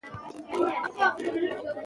آیا پاکه خاوره وژغورل سوه؟